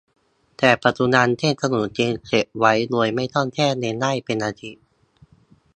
แต่ปัจจุบัน เส้นขนมจีนเก็บไว้โดยไม่ต้องแช่เย็นได้เป็นอาทิตย์